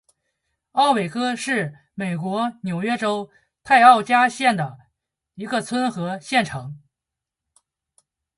奥韦戈是美国纽约州泰奥加县的一个村和县城。